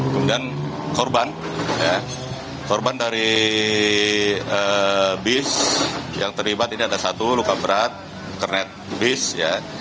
kemudian korban korban dari bis yang terlibat ini ada satu luka berat kernet bis ya